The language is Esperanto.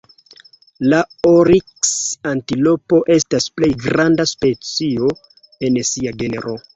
La oriks-antilopo estas plej granda specio en sia genro.